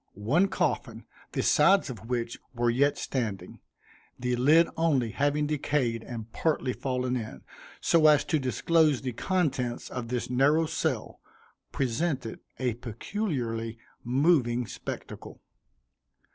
One coffin, the sides of which were yet standing, the lid only having decayed and partly fallen in, so as to disclose the contents of this narrow cell, presented a peculiarly moving spectacle.